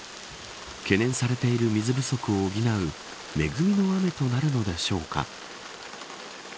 懸念されている水不足を補う恵みの雨となるのでしょうか。